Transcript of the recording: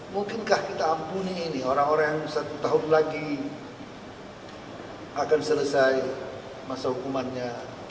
mungkinkah kita ampuni ini orang orang yang satu tahun lagi akan selesai masa hukumannya